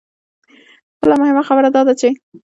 بله مهمه خبره دا ده چې